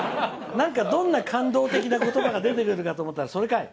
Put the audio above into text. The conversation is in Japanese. どんな感動的な言葉が出てくると思ったらそれかい。